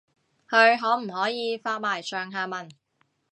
佢可唔可以發埋上下文